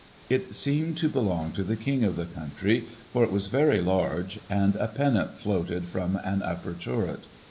It seemed to belong to the king of the country, for it was very large, and a pennant floated from an upper turret.